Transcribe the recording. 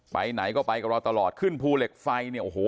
ไปไหนก็ไปกับเราตลอดขึ้นภูเหล็กไฟเนี่ยโอ้โห